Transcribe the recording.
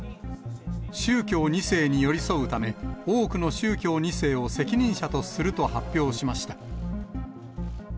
宗教２世に寄り添うため、多くの宗教２世を責任者とすると発表しました。